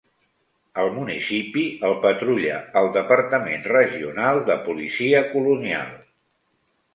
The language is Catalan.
El municipi el patrulla el Departament Regional de Policia Colonial.